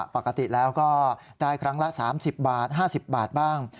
ปกติแล้วก็ได้ครั้งละ๓๐บาท๕๐บาทบ้าง